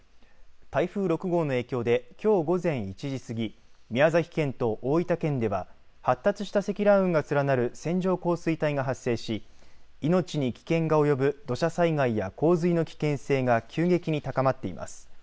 台風６号の影響できょう午前１時過ぎ宮崎県と大分県では発達した積乱雲が連なる線状降水帯が発生し命に危険が及ぶ土砂災害や洪水の危険性が急激に高まっています。